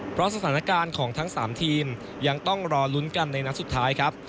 เพราะสถานการณ์ของทั้ง๓ทีมยังต้องรอลุ้นกันในนัดสุดท้ายครับ